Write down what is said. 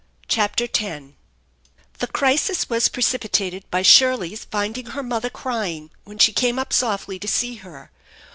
CHAPTER X THE crisis was precipitated by Shirley's finding her mothF crying when she came up softly to see her.